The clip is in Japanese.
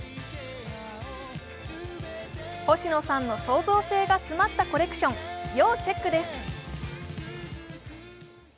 星野さんの創造性が詰まったコレクション、要チェックです。